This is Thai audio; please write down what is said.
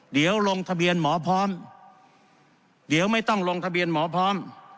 เดี๋ยวลงทะเบียนหมอพร้อมเดี๋ยวไม่ต้องลงทะเบียนหมอพร้อม